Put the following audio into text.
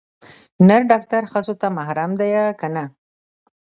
نر ډاکتر ښځو ته محرم ديه که نه.